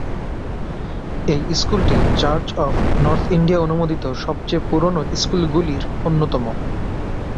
এই স্কুলটি Church of North India অনুমোদিত সবচেয়ে পুরনো স্কুলগুলির অন্যতম।